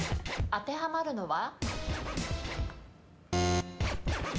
当てはまるのは？